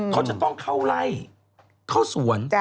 เขาจะต้องเข้าไล่เข้าสวน